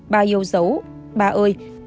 ba yêu dấu ba ơi